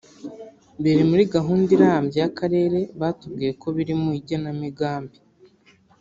biri muri gahunda irambye y’akarere batubwiye ko biri mu igenamigambi